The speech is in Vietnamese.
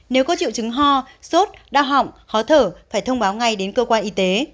nếu có triệu chứng ho sốt đã họng khó thở phải thông báo ngay đến cơ quan y tế